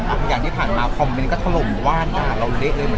อันอย่างที่ผ่านมาคอมเมนต์ก็ทะลมว่านค่ะเราเละเลยเหมือนกัน